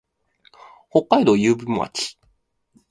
北海道雄武町